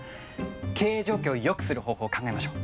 経営状況をよくする方法を考えましょう。